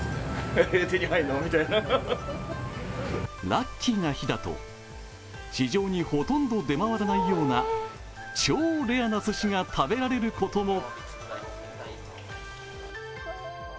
ラッキーな日だと市場にほとんど出回らないような超レアなすしが食べられることも。